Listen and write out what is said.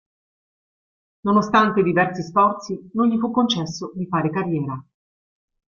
Nonostante diversi sforzi, non gli fu concesso di fare carriera.